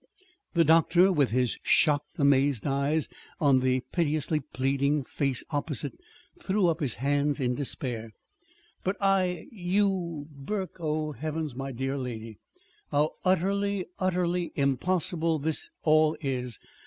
The doctor, with his shocked, amazed eyes on the piteously pleading face opposite, threw up his hands in despair. "But I you Burke Oh, Heavens, my dear lady! How utterly, utterly impossible this all is!